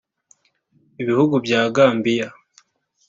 Ibihugu bya Gambiya